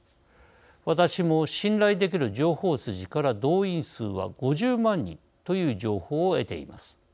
私も信頼できる情報筋から動員数は５０万人という情報を得ています。